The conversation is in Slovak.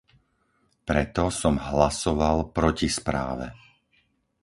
Preto som hlasoval proti správe.